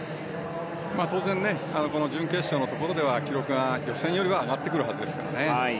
当然、準決勝のところでは記録が予選よりは上がってくるはずですからね。